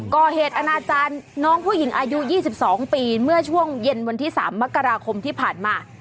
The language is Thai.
อนาจารย์น้องผู้หญิงอายุ๒๒ปีเมื่อช่วงเย็นวันที่๓มกราคมที่ผ่านมา